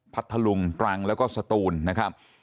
พัทธลุงตรังแล้วก็สตูนนะครับ